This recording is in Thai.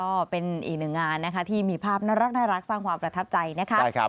ก็เป็นอีกหนึ่งงานนะคะที่มีภาพน่ารักสร้างความประทับใจนะคะ